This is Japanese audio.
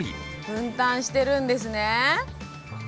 分担してるんですね。